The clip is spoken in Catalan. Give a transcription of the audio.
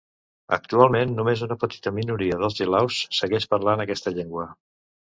Actualment, només una petita minoria dels gelaos segueix parlant aquesta llengua.